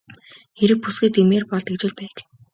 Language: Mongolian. Хэрэв бүсгүй тэгмээр байгаа бол тэгж л байг.